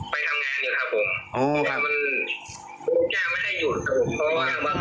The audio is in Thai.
พวกมันกลับมาเมื่อเวลาที่สุดพวกมันกลับมาเมื่อเวลาที่สุด